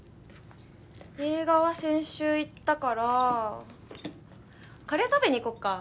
映画は先週行ったからカレー食べに行こっか？